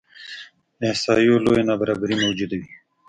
احصایو لویه نابرابري موجوده وي.